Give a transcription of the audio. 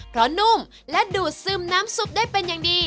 เพราะนุ่มและดูดซึมน้ำซุปได้เป็นอย่างดี